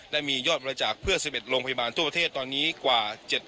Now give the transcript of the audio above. ได้มียอดบริจาคเพื่อสิบเอ็ดโรงพยาบาลทั่วประเทศตอนนี้กว่าเจ็ด